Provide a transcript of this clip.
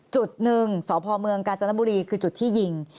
จุดหนึ่งสพเมืองกาญจนบุรีคือจุดที่ยิง